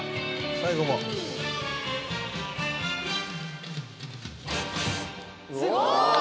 最後もすごい！